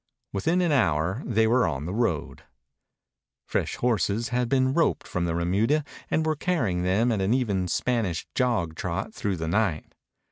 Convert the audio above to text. Within an hour they were on the road. Fresh horses had been roped from the remuda and were carrying them at an even Spanish jog trot through the night.